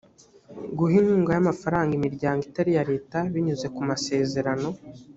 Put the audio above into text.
guha inkunga y amafaranga imiryango itari iya leta binyuze mu masezerano